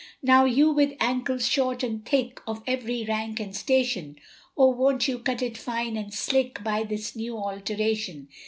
Now you with ancles short and thick, Of every rank and station, Oh, won't you cut it fine and slick, By this new alteration.